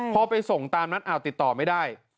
พอไปส่งตามนัดอ้าวติดต่อไม่ได้